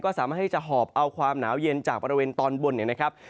สามารถที่จะหอบเอาความหนาวเย็นจากบริเวณตอนบนเนี่ยนะครับ